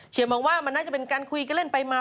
มองว่ามันน่าจะเป็นการคุยกันเล่นไปมา